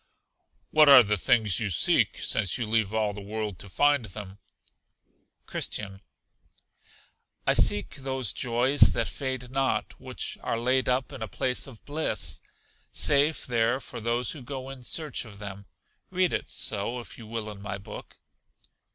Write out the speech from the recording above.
What are the things you seek, since you leave all the world to find them? Christian. I seek those joys that fade not, which are laid up in a place of bliss safe there for those who go in search of them. Read it so, if you will, in my book.